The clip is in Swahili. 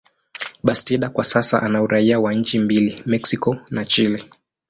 Bastida kwa sasa ana uraia wa nchi mbili, Mexico na Chile.